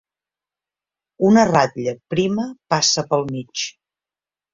Una ratlla prima passa pel mig.